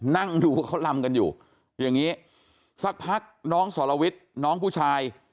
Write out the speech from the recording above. นั่งดูเขาลำกันอยู่อย่างนี้สักพักน้องสรวิทย์น้องผู้ชาย